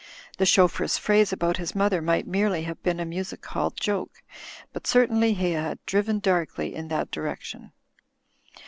The chauffeur's phrase i88 THE FLYING INN about his mother might merely have been a music hall joke; but certainly he had driven darkly in that direction.